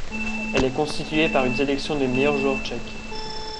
Elle est constituée par une sélection des meilleurs joueurs tchèques.